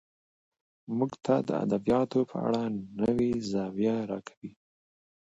موږ ته د ادبياتو په اړه نوې زاويه راکوي